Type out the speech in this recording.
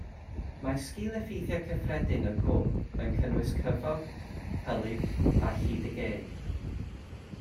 Mae sgil-effeithiau cyffredin y gwm yn cynnwys cyfog, hylif, a llid y geg.